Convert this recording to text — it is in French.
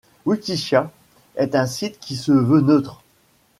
WikiShia est un site qui se veut neutre.